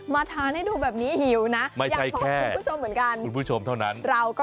มาทานให้ดูแบบนี้หิวนะอย่างของคุณผู้ชมเหมือนกันเราก็หิวไม่ใช่แค่คุณผู้ชมเท่านั้น